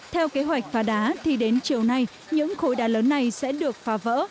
theo kế hoạch phá đá thì đến chiều nay những khối đá lớn này sẽ được phá vỡ